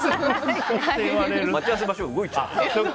待ち合わせ場所、動いちゃう。